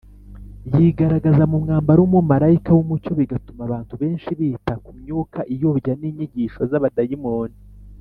yigaragaza mu mwambaro w’umumarayika w’umucyo bigatuma abantu benshi bita “ku myuka iyobya n’inyigisho z’abadayimoni”